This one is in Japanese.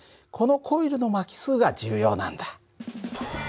このコイルの巻き数が重要なんだ。